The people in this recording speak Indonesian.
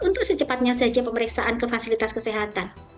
untuk secepatnya saja pemeriksaan ke fasilitas kesehatan